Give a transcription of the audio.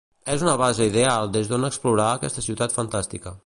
És una base ideal des d'on explorar aquesta ciutat fantàstica.